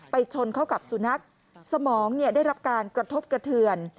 ชนเข้ากับสุนัขสมองได้รับการกระทบกระเทือน